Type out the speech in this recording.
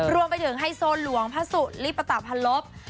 รวมไปถึงไฮโซหลวงภาสุริปตาภลบ